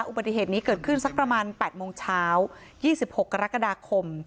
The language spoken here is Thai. อุบัติเหตุนี้เกิดขึ้นสักประมาณ๘โมงเช้า๒๖กรกฎาคม